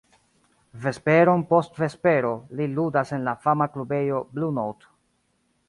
Vesperon post vespero li ludas en la fama klubejo "Blue Note".